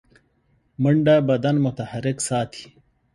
منډه بدن متحرک ساتي